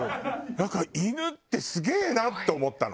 だから犬ってすげえな！って思ったの。